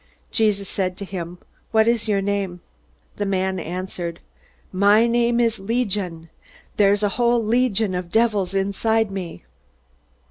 Jesus said to him, "What is your name?" The man answered: "My name is Legion. There's a whole legion of devils inside me!"